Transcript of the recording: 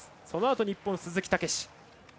そのあと日本、鈴木猛史。